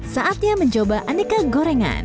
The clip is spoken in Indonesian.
saatnya mencoba aneka gorengan